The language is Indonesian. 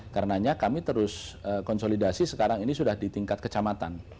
karenanya kami terus konsolidasi sekarang ini sudah di tingkat kecamatan